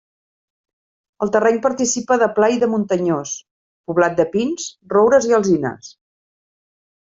El terreny participa de pla i de muntanyós, poblat de pins, roures i alzines.